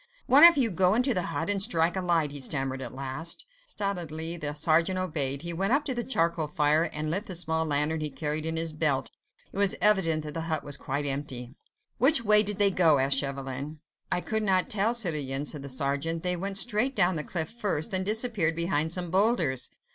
"One of you go into the hut and strike a light," he stammered at last. Stolidly the sergeant obeyed: he went up to the charcoal fire and lit the small lantern he carried in his belt; it was evident that the hut was quite empty. "Which way did they go?" asked Chauvelin. "I could not tell, citoyen," said the sergeant; "they went straight down the cliff first, then disappeared behind some boulders."